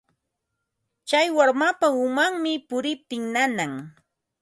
Tsay warmapa umanmi puriptin nanan.